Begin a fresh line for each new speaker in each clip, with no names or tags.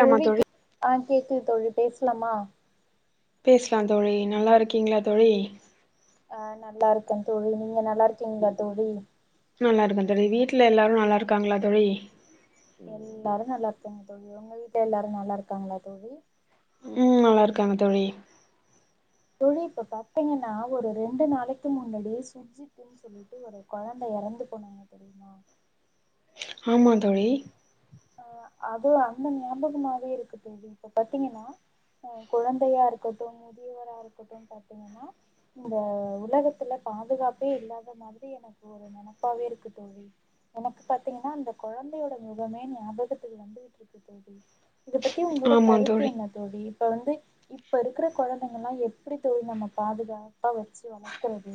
தோழி கே ஆ கேக்குது தோழி பேசலாமா
பேசலா தோழி நல்லாருக்கீங்ளா தோழி
ஆ நல்லாருக்கே தோழி நீங்க நல்லாருக்கீங்ளா தோழி?
நல்லாருக்கே தோழி வீட்ல எல்லாரு நல்லாருக்காங்ளா தோழி?
எல்லாரும் நல்லாருக்காங்க தோழி உங்க வீட்ல எல்லாரு நல்லாருக்காங்ளா தோழி?
ம் நல்லாருக்காங்க தோழி
தோழி இப்ப பாத்தீங்கன்னா ஒரு ரெண்டு நாளைக்கு முன்னாடி சுஜித்துன் சொல்லிட்டு ஒரு கொழந்த எறந்து போனாங்க தெரிமா
ஆமா தோழி
ஆ அது அந்த ஞாபகமாவே இருக்கு தோழி இப்ப பாத்தீங்கன்னா ஆ குழந்தையா இருக்கட்டு முதியவரா இருக்கட்டு பாத்தீ ங்கனா இந்த உலகத்துல பாதுகாப்பே இல்லாத மாதிரி எனக்கு ஒ ரு நெனப்பாவே இருக்கு தோழி எனக்கு பாத்தீங்கன்னா அந்த கொழந்தையோட முகமே ஞாபகத்துக்கு வந்துகுட்ருக்கு தோழி இத பத்தி உங்ளோட கருத்து என்ன தோழி இப்ப வந்து இப்ப இருக்குற கொழந்தைங்கல்லா எப்டி தோழி நம்ம பாதுகாப்பா வச்சு வளக்கறது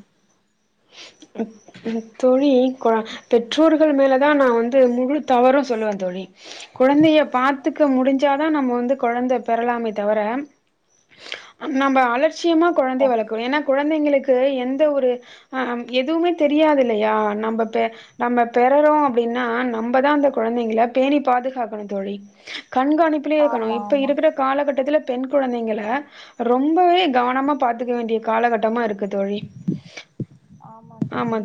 ம் ம் தோழி கொ பெற்றோர்கள் மேலதா நா வந்து முழு தவறு சொல்லுவே தோழி கொழந்தைய பாத்துக்க முடிஞ்சாதா நம்ம வந்து கொழந்த பெறலாமே தவர நம்ப அலட்சியமா கொழந்தைய
கண்டிப்பா
வளக்குணு ஏன்னா கொழந்தைங்களுக்கு எந்த ஒரு ஆ எதுமே தெரியாது இல்லையா நம்ம பெ நம்ப பெறறோ அப்டின்னா நம்பதா அந்த கொழந்தைங்கள பேணி பாதுகாக்கணு தோழி கண்காணிப்புலே இருக்கணு
ஆமா
இப்ப
ஆமா
இருக்குற காலகட்டத்துல பெண் குழந்தைங்கள ரொம்பவே கவனமா பாத்துக்க வேண்டிய காலகட்டமா இருக்கு தோழி
ஆமா தோழி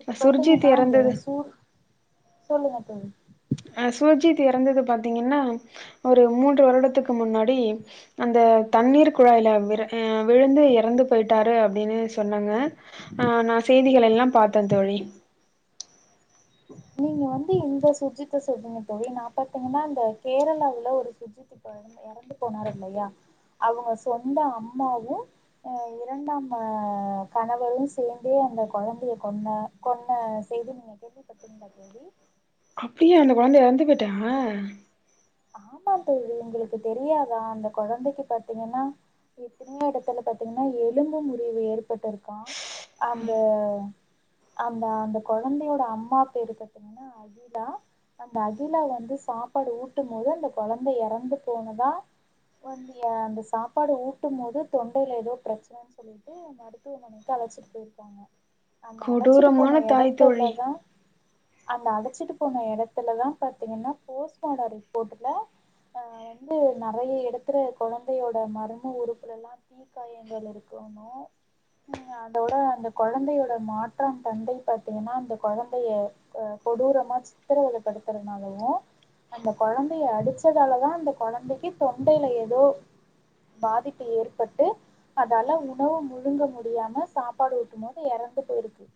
இப்ப
சுர்ஜித்
பாத்தீங்கன்னா இந்த
இறந்தது
சூழ் சொல்லுங்க தோழி
ஆ சுஜித் எறந்தது பாத்தீங்கன்னா ஒரு மூன்று வருடத்துக்கு முன்னாடி அந்த தண்ணீர் குழாய்ல விற ஆ விழுந்து எறந்து போயிட்டாரு அப்டின்னு சொன்னாங்க ஆ நா செய்திகளெல்லா பாத்த தோழி
நீங்க வந்து இந்த சுஜித்த சொலறீங்க தோழி நா பாத்திங்கன்னா இந்த கேரளாவுல ஒரு சுழித்து கொழந்த எறந்து போனாரு இல்லையா அவங்க சொந்த அம்மாவு ஆ இரண்டாம் ஆ கணவரு சேந்தே அந்த கொழந்தைய கொன்ன கொன்ன செய்தி நீங்க கேள்விப்பட்டிங்களா தோழி
அப்டியா அந்த கொழந்த எறந்து பொய்ட்டா
ஆமா தோழி உங்களுக்கு தெரியாதா அந்த கொழந்தைக்கி பாத்தீங்கன்னா எத்தனையோ எடத்துல பாத்தீங்ன்னா எலும்பு முறிவு ஏற்பட்டுருக்கா அந்த அந்த அந்த கொழந்தையோட அம்மா பேரு பாத்தீங்கன்னா அகிலா அந்த அகிலா வந்து சாப்பாடு ஊட் டும் போது அந்த கொழந்த எறந்து போனதா வந்து ஏ அந்த சாப்பாடு ஊட்டும் போது தொண்டைல ஏதோ பிரச்சனன்னு சொல்லி ட்டு மருத்துவமனைக்கு அழச்சிட்டு போய்ருக்காங்க அநக அழச்சிட்டு
கொடூரமான
போன
தாய்
எடத்துல
தோழி
தா அந்த அழச்சிட்டு போன எடத்துல தா பாத்தீங்கன்னா போஸ்ட் மாடோ ரிப் போட்ல ஆ வந்து நறைய எடத்துல கொழந்தையோட மர்ம உறுப்புலல்லா தீ காயங்கள் இருக்குன்னு ம் அதோட அந்த கொழந்தையோட மாற்றான் தந்தை பாத்தீங்ன்னா அந்த கொழந்தைய ம் கொடூரமா சித்திரவத படுத்துறனாலவு அந்த கொழந்தைய அடிச்சதால தா அந்த கொழந்தைக்கு தொண்டைல ஏதோ பாதிப்பு ஏற்பட்டு அதால உணவு முழுங்க முடியாம சாப்பாடு ஊட்டும் போது எறந்து போய்ருக்கு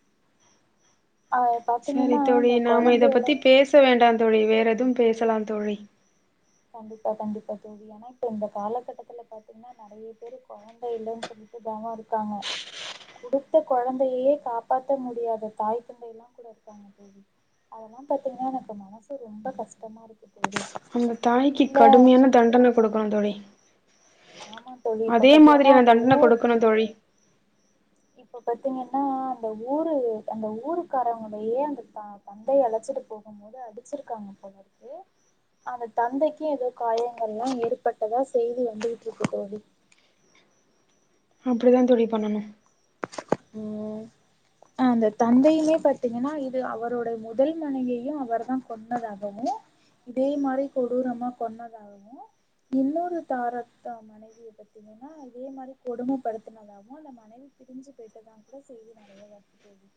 ஆ
சரி
பாத்தீங்கன்னா
தோழி
அந்த
நாம இத
கொழந்தையோட
பத்தி பேச வேண்டா தோழி வேற எதுவு பேசலா தோழி
கண்டிப்பா கண்டிப்பா தோழி ஏனா இப்ப இந்த காலகட்டத்துல பாத்தீங்கன்னா நறைய பேரு கொழந்த இல்லன்னு சொல்லிட்டு தவோ இருக்காங்க குடுத்த கொழந்தையையே காப்பாத்த முடியாத தாய் தந்தைல்லா கூட இருக்காங்க அதெல்லா பாத்தீங்கன்னா எனக்கு மனசு ரொம்ப கஷ்டமா இருக்கு தோழி
அந்த தாய்க்கு
இல்ல
கடுமையான தண்டன குடுக்கணு தோழி
ஆமா தோழி இப்ப
அதே
பாத்தீங்கன்னா
மாதிரியான
அந்த
தண்டன
ஊர்
கொடுக்கணு தோழி
இப்ப பாத்தீங்கன்னா அந்த ஊரு அந்த ஊருக்காரவங்களையே அந்த தா வந்து அழச்சிட்டு போகும் போது அடிச்சிருக்காங்க போலருக்கு அந்த தந்தைக்கு ஏதோ காயங்கள் எல்லா ஏற்பட்டதா செய்தி வந்துகிட்ருக்கு தோழி
அப்டி தா தோழி பண்ணணு
ம் உம் அந்த தந்தையுமே பாத்தீங்கன்னா இது அவரோட முதல் மனைவியயு அவர் தா கொன்னதாகவு இதே மாரி கொடூரமா கொன்னதாகவு இன்னொரு தாரத்த மனைவிய பத்தி பத்தீங்னா இதே மாரி கொடுமைப்படுத்துனதாவு அந்த மனைவி பிரிஞ்சி கேட்டதாவு கூட செய்தி நெறைய வருது தோழி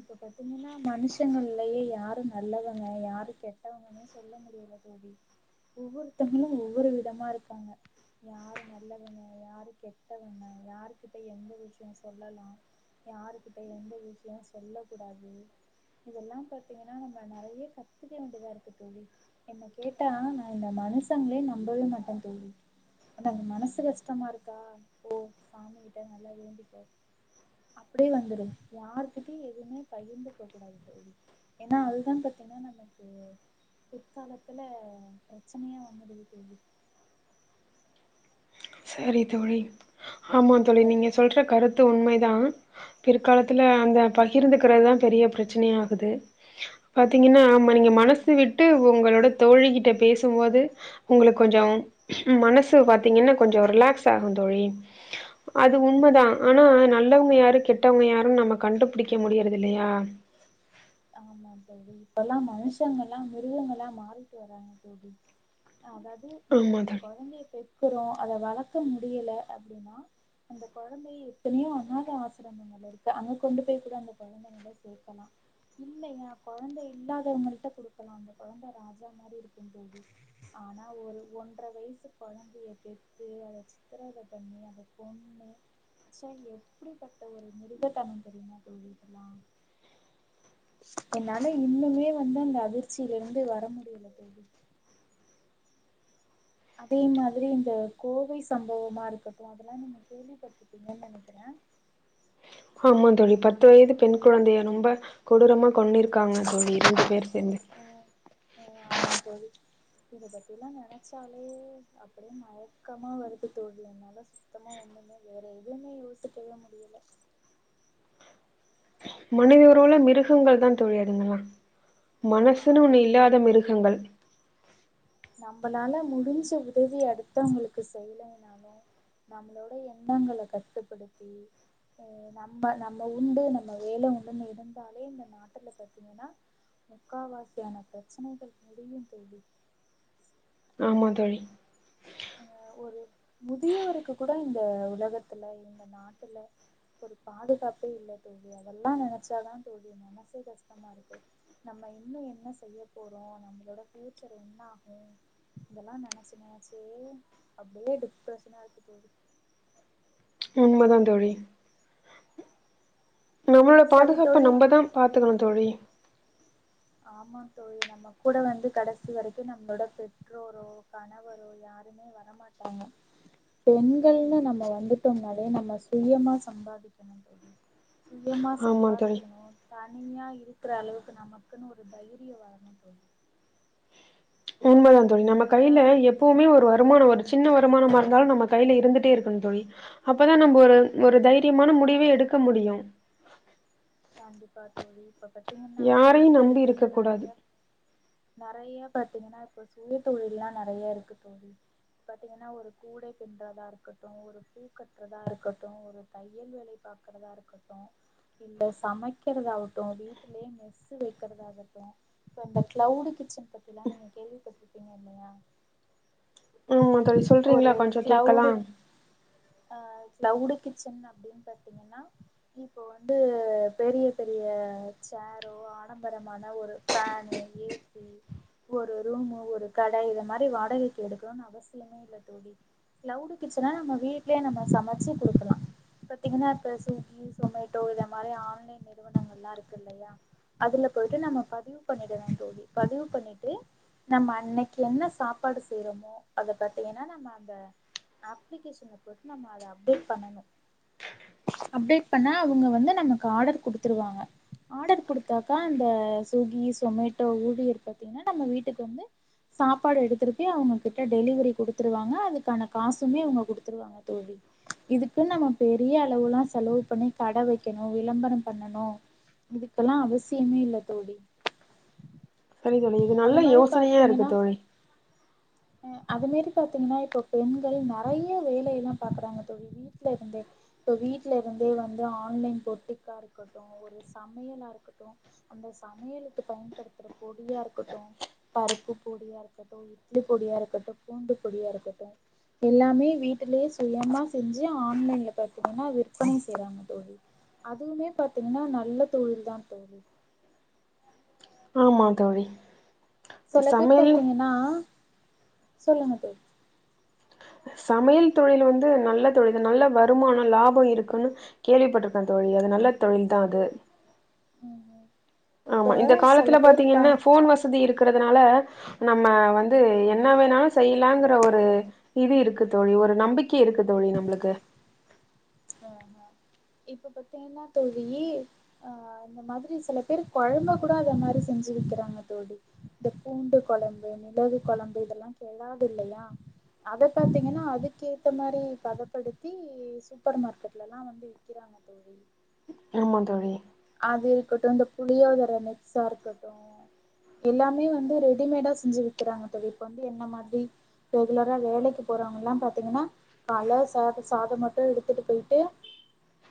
இப்ப பாத்தீங்கன்னா மனுஷங்கள்லயே யாரு நல்லவங்க யாரு கெட்டவங்கன்னே சொல்ல முடியல தோழி ஒவ்வொருத்தவங்களு ஒவ்வொரு விதமா இருக்காங்க யாரு நல்லவங்க யாரு கெட்டவங்க யாருக்கிட் எந்த விஷ்யொ சொல்லலா யாரு கிட்ட எந்த விஷ்யொ சொல்ல கூடாது இதெல்லா பாத்தீங்கன்னா நம்ம நெறைய கத்துக்க வேண்டியதா இருக்கு தோழி என்ன கேட்டா நா இந்த மனுஷங்ளே நம்பவே மாட்டெ தோழி ந்த மனசு கஷ்டமா ருக்கா போ சாமி கிட்ட நல்லா வேண்டிக்கோ அப்டியே வந்துரு யாருக்கி கிட்ட எதுவுமே பகிர்ந்துக்க கூடாது தோழி ஏன்னா அதுதா பாத்தீங்னா நமக்கு பிற்காலத்துல பிரச்சனையா வந்துடுது தோழி
சரி தோழி ஆமா தோழி
ஆஹ்
நீங்க
இப்ப
சொல்ற கருத்து உண்மைதா பிற்காலத்துல அந்த பகிர்ந்துக்குறதுதா பெரிய பிரச்சனை ஆகுது பாத்தீங்கன்னா
ஆமா
நீங்க
தோழி
மனசு விட் ட்டு உங்களோட தோழி கிட்ட பேசும்போது உங்களுக்கு கொஞ்ச மனசு பாத்தீங்கன்னா கொஞ்சொ ரிலாக்ஸ் ஆகு தோழி அது உண்ம தா
உம்
ஆனா நல் நல்லவங்க யாரு கெட்டவங்க யாரு நம்ம கண்டுபிடிக்க முடியிறதில்லையா
ஆமா தோழி இப்பெல்லா மனுஷங்க ல்லா மிருகங்கலா மாறிட்டு வராங்க தோழி அதாது நம்ம
ஆமா
ஒரு
தோழி
கொழந்தைய பெத் க்குறோ அத வளக்க முடியல அப்டின்னா அந்த கொழந்தைய எத்தனயோ அனாத ஆசிரமங்கள் இருக்கு அங்க கொண்டு போய் கூட அந்த கொழந்த அங்க சேக்கலா இல்லயா கொழந்த இல்லாதவங்கள்ட்ட கொடுக்கலா அந்த கொழந்த ராஜா மாறி இருக்கு தோழி ஆனா ஒரு ஒன்ற வயசு கொழந்தைய பெத்து அதச்சு சித்திரவத பண்ணி அத கொண்ணு ச்ச எப்டி‌பட்ட ஒரு மிருகத்தனொ தெரியுமா தோழி இதெல்லா என்னால இன்னுமே வந்து அந்த அதிர்ச்சில இருந்து வர முடியல தோழி அதே மாதிரி இந்த கோவை சம்பவமா இருக்கட்டு அதெல்லா நீங்க கேள்விப்பட்டிருப்பீங்கன்னு நெனக்கிறே
ஆமா தோழி பத்து வயது பெண் கொழந்தைய ரொம்ப கொடூரமா கொன்னுருக்காங்க தோழி இரண்டு பேர் சேந்து
ம்‌ஆமா தோழி இத பத்தியெல்லா நெனைச்சாலே அப்டியே மயக்கமா வருது தோழி என்னால சுத்தமா ஒன்னுமே வேற எதுவ்மே யோசிக்கவே முடியல
மனித உருவுல மிருகங்கள் தா தோழி அதுங்களா மனசுன்னு
ஆமா
ஒன்னு இல்லாத மிருக ங்கள்
நம்மளால முடிஞ்ச உதவிய அடுத்தவங்களுக்கு செய்யலேனாலு நம்மளோட எண்ணங்கள கட்டுப்படுத்தி நம்ம நம்ம உண்டு நம்ம வேல உண்டுன்னு இருந்தாலே இந்த நாட்டுக்கு ப்ளஸ் பாத்தீங்கன்னா முக்காவாசியான பிரச்சனைகள் முடியும் தோழி
ஆமா தோழி
அ ஒரு முதியவருக்கு கூட இந்த உலகத்துல இந்த நாட்டுல ஒரு பாதுகாப்பே இல்ல தோழி அதெல்லா நெனச்சாதான் தோழி மனசே கஷ்டமா இருக்கு நம்ம இன்னும் என்ன செய்ய போறோம் நம்மளோட பியூச்சர் என்ன ஓ இதெல்லாம் நெனச்சு நெனச்சு அப்படியே டிப்ரசனா இருக்கு தோழி
உண்மதான் தோழி நம்மளோட
சரி
பாதுகாப்ப
தோழி
நம்ம தான் பாத்துக்கணும் தோழி
ஆமா தோழி நம்ம கூட வந்து கடைசி வரைக்கும் நம்மளோட பெற்றோரோ கணவரோ யாருமே வரமாட்டாங்க பெண்கள்ல நம்ம வந்துட்டோம்னாலே நம்ம சுயமா சம்பாதிக்கணும் தோழி சுயமா
ஆமா தோழி
சம்பாதிக்கணும் தனியா இருக்குற அளவுக்கு நம்ம இருக்குன்னு ஒரு தைரியம் வேணும் தோழி
உண்மதான் தோழி நம்ம கையில
நீதானே
எப் எப்பவுமே ஒரு வருமானம் ஒரு சின்ன வருமானமா இருந்தாலும் நம்ம கையில் இருந்துட்டே இருக்கணும் தோழி அப்போ தான் நம்ம ஒரு ஒரு தைரியமான முடிவே எடுக்க முடியும்
கண்டிப்பா தோழி இப்ப பாத்தீங்கன்னா
யாரையு நம்பி இருக்க
பெண்களுக்குன்னு
கூடாது
நெறையா நெறைய பாத்தீங்கன்னா இப்ப சுய தொழில்லா நெறைய இருக்கு தோழி பாத்தீங்கன்னா ஒரு கூடை பின்றதா இருக்கட்டும் ஒரு பூ கட்றதா இருக்கட்டும் ஒரு தையல் வேலை பாக்குறதா இருக்கட்டும் இல்ல சமைக்கிறதாகட்டும் வீட்டிலயே மெஸ்ஸு வைக்கிறதாகட்டும் இப்ப இந்த கிளவுடு கிச்சன் பத்தில்லா நீங்க கேள்விப்பட்ருக்கீங்க இல்லையா
ஆமா தோழி சொல்றீங்களா
ஒரு
கொஞ்சம் கேக்கலா
அ கிளவுடு கிச்சன் அப்டின் பாத்தீங்கன்னா இப்ப வந்து பெரிய பெரிய சரோ ஆடம்பரமான ஒரு ஃபேனு ஏசி ஒரு ரூமு ஒரு கடை இத மாதிரி வாடகைக்கு எடுக்கணும்னு அவசியமே இல்ல தோழி கிளவுடு கிச்சனா நம்ம வீட்லயே நம்ம சமச்சு குடுக்கலாம் பாத்தீங்கன்னா இப்ப ஸ்விக்கி சொமேட்டோ இத மாதிரி ஆன்லைன் நிறுவனங்கள் எல்லாம் இருக்கு இல்லையா அதுல போயிட்டு நம்ம பதிவு பண்ணிடலா தோழி பதிவு பண்ணிட்டு நம்ம அன்னைக்கு என்ன சாப்பாடு செய்றமோ அத பாத்தீங்கன்னா நம்ம அந்த அப்ளிகேஷன்ல போட்டு நம்ம அத அப்டேட் பண்ணணும் அப்டேட் பண்ணா அவுங்க வந்து நமக்கு ஆர்டர் குடுத்துருவாங்க ஆர்டர் குடுத்தாக்கா அந்த ஸ்விக்கி சொமேட்டோ ஊழியர் பாத்தீங்கன்னா நம்ம வீட்டுக்கு வந்து சாப்பாடு எடுத்துட்டு போய் அவுங்க கிட்ட டெலிவரி குடுத்துருவாங்க அதுக்கான காசுமே அவுங்க குடுத்துருவாங்க தோழி இதுக்கு நம்ம பெரிய அளவுல்லா செலவு பண்ணி கட வைக்கணும் விளம்பரம் பண்ணணும் இதுக்கெல்லா அவசியமே இல்ல தோழி
சரி தோழி இது நல்ல
அது மாரி
யோசனையா இருக்கு
பாத்தீங்கன்னா
தோழி
அது மாரி பாத்தீங்கன்னா இப்ப பெண்கள் நெறைய வேலையெல்லாம் பாக்குறாங்க தோழி வீட்ல இருந்தே இப்போ வீட்ல இருந்தே வந்து ஆன்லைன் பொட்டிக்கா இருக்கட்டும் ஒரு சமையலா இருக்கட்டும் அந்த சமையலுக்கு பயன்படுத்துற பொடியா இருக்கட்டும் பருப்பு பொடியா இருக்கட்டும் இட்லி பொடியா இருக்கட்டும் பூண்டு பொடியா இருக்கட்டும் எல்லாமே வீட்டுகுள்ளேயே சுயமா செஞ்சு ஆன்லைன்ல பாத்தீங்கன்னா விற்பனை செய்றாங்க தோழி அதுவுமே பாத்தீங்கன்னா நல்ல தொழில் தா தோழி
ஆமாம் தோழி
சில பேர்
சமையல்னு
பாத்தீங்கனா சொல்லுங்க தோழி
சமயல் தொழில் வந்து நல்ல தொழில் நல்ல வருமானோ லாபோ இருக்குன்னு கேள்வி பட்ருக்கே தோழி அது நல்ல தொழில் தா அது
ம் ம்
ஆமா
இப்ப
இந்த
சில
காலத்துல
பேர் பா
பாத்தீங்கன்னா ஃபோன் வசதி இருக்கறதுனால நம்ம வந்து என்ன வேணாலு செய்லாங்கற ஒரு இது இருக்கு தோழி ஒரு நம்பிக் கி இருக்கு தோழி நம்ளுக்கு
ஆ ஆ இப்ப பாத்தீங்கன்னா தோழி அ அ இந்த மாதிரி சில பேரு கொழம்ப கூட அந்த மாதிரி செஞ்சு விக்கெறாங்க தோழி இந்த பூண்டு கொழம்பு மிளகு கொழம்பு இதெல்லா கெடாது இல்லயா அத பாத்தீங்கன்னா அதுக்கேத்த மாரி பதப்படுத்தி சு சூப்பர் மார்கெட்ல எல்லா வந்து விற்கெறாங்க தோழி
ஆமா தோழி
அது இருக்கட்டு இந்த புளியோதர மிக்ஸா இருக்கட்டு எல்லாமே வந்து ரெடிமேடா செஞ்சு விக்கெறாங்க தோழி இப்ப வந்து என்ன மாதிரி ரெகுலரா வேலெக்கி போறவங்கள எல்லா பாத்தீங்கன்னா கல ச சாதம் மட்டு எடுத்துட்டு போய்ட்டு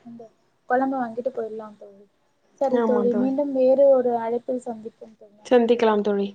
இந்த கொழம்ப வாங்கிட்டு போய்ட்லாம் தோழி செரி தோழி மீண்டும் வேறு ஒரு அழைப்பில் சந்திப்போம் தோழி நன்றி
சந்திக்கலாம் தோழி